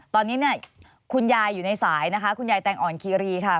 ตอนนี้เนี่ยคุณยายอยู่ในสายนะคะคุณยายแตงอ่อนคีรีค่ะ